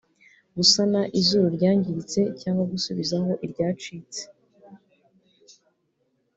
gusana izuru ryangiritse cyangwa gusubizaho iryacitse